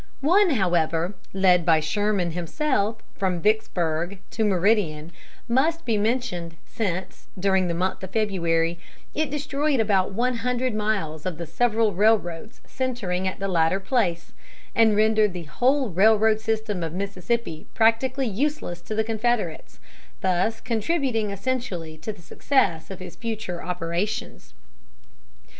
One, however, led by Sherman himself from Vicksburg to Meridian, must be mentioned, since, during the month of February, it destroyed about one hundred miles of the several railroads centering at the latter place, and rendered the whole railroad system of Mississippi practically useless to the Confederates, thus contributing essentially to the success of his future operations.